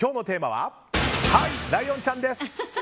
はい、ライオンちゃんです！